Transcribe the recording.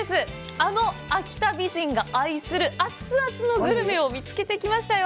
あの秋田美人が愛する熱々のグルメを見つけてきましたよ。